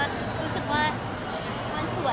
รู้สึกว่ามันสวย